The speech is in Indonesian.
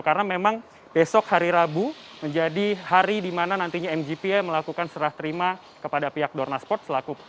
karena memang besok hari rabu menjadi hari di mana nantinya mgps melakukan serah terima kepada pihak dorna sport